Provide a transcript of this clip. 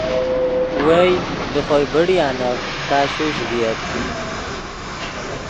وئے لے خوئے بڑیانف تشوش ڤییت